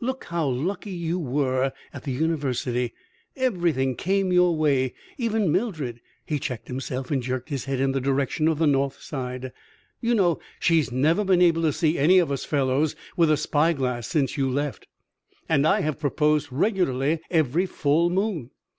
"Look how lucky you were at the university. Everything came your way. Even M " He checked himself and jerked his head in the direction of the North Side. "You know! She's never been able to see any of us fellows with a spy glass since you left, and I have proposed regularly every full moon."